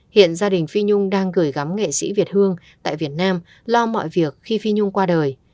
hiện gia đình phi nhung đang gửi gắm nghệ sĩ việt hương tại việt nam lo mọi việc khi phi nhung qua đời